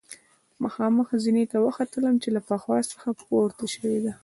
مخامخ زینې ته وختلم چې له پخوا څخه پورته شوې ده.